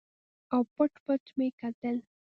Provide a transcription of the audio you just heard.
او پټ پټ مې کتل.